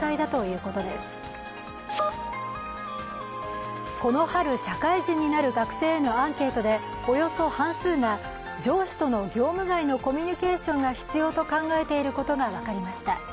この春、社会人になる学生へのアンケートで、およそ半数が、上司との業務外のコミュニケーションが必要と考えていることが分かりました。